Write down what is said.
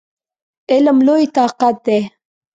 علم لوی طاقت دی!